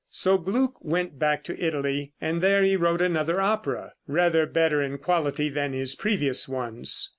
So Gluck went back to Italy, and there he wrote another opera, rather better in quality than his previous ones.